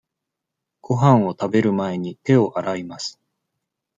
ごはんを食べる前に、手を洗います。